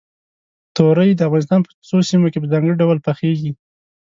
تورۍ د افغانستان په څو سیمو کې په ځانګړي ډول پخېږي.